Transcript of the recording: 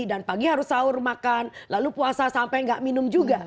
dan pagi harus sahur makan lalu puasa sampai nggak minum juga